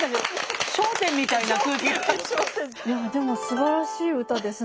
いやでもすばらしい歌ですね。